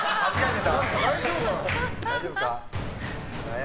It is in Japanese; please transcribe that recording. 大丈夫か？